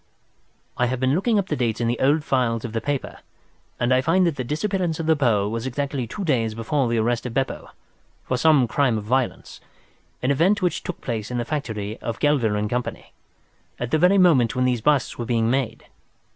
I have been looking up the dates in the old files of the paper, and I find that the disappearance of the pearl was exactly two days before the arrest of Beppo, for some crime of violence—an event which took place in the factory of Gelder & Co., at the very moment when these busts were being made.